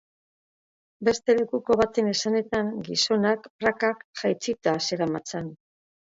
Beste lekuko baten esanetan, gizonak prakak jaitsita zeramatzan.